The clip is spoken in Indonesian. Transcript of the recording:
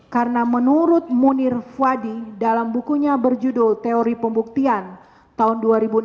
karena menurut munir fwadi dalam bukunya berjudul teori pembuktian tahun dua ribu enam belas